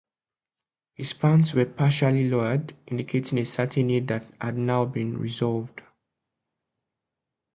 His pants were partially lowered, indicating a certain need that had now been resolved.